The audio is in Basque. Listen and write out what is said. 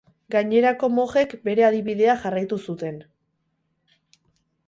Gainerako mojek bere adibidea jarraitu zuten.